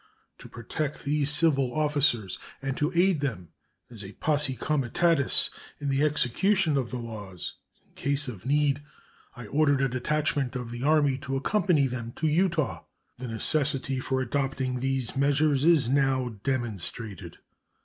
To protect these civil officers, and to aid them, as a posse comitatus, in the execution of the laws in case of need, I ordered a detachment of the Army to accompany them to Utah. The necessity for adopting these measures is now demonstrated.